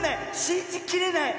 しんじきれない！